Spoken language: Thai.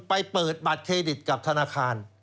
ไปเปิดบัตรเครดิตกับธนาคาร